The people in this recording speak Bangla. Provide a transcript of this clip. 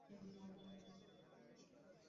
রাতে ঘুমুতাম ঐ মেয়েগুলির সঙ্গে এক ঘরে।